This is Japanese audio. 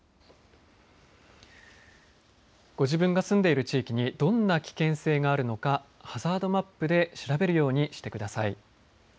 ご自分が住んでいる地域にどんな危険性があるのか、ハザードマップで調べるようにしてください。